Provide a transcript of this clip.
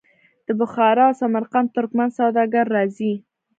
د بخارا او سمرقند ترکمن سوداګر راځي.